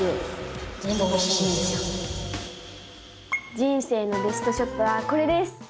人生のベストショットはこれです！